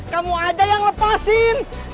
kamu aja yang lepasin